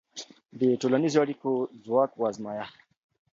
د ټولنیزو اړیکو ځواک وازمویه.